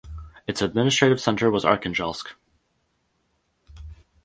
Its administrative centre was Arkhangelsk.